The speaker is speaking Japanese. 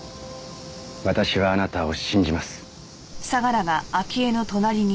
私はあなたを信じます。